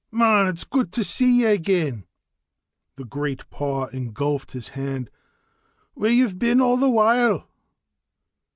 "Mon, it's guid to see ye again!" The great paw engulfed his hand. "Where've ye been a' the while?"